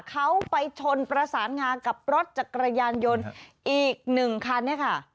เขาไปชนประสานงากับรถจักรยานยนต์อีกหนึ่งคันเนี่ยค่ะ